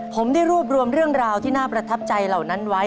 ผมได้รวบรวมเรื่องราวที่น่าประทับใจเหล่านั้นไว้